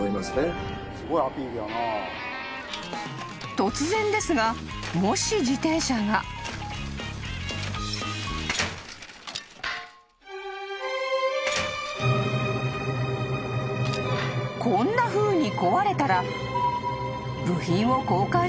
［突然ですがもし自転車が］［こんなふうに壊れたら］